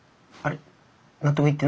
納得いってない？